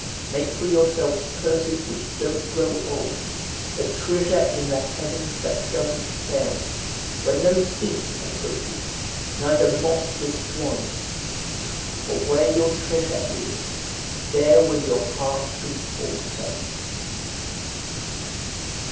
Make for yourselves purses which don't grow old, a treasure in the heavens that doesn't fail, where no thief approaches, neither moth destroys. 012:034 For where your treasure is, there will your heart be also.